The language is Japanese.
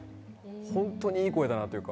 本当にいい声だなっていうか。